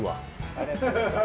ありがとうございます。